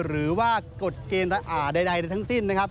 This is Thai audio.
หรือว่ากดเกณฑ์อ่าใดในทั้งสิ้นนะครับ